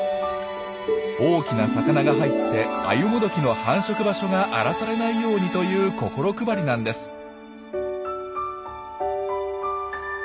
大きな魚が入ってアユモドキの繁殖場所が荒らされないようにという心配りなんです。